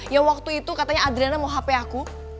ya waktu itu katanya adriana mau hp aku